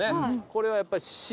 これはやっぱり死。